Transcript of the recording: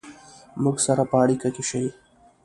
مونږ سره په اړیکه کې شئ